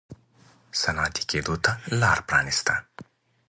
صنعتي کېدو ته لار پرانېسته.